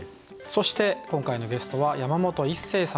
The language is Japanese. そして今回のゲストは山本一成さんです。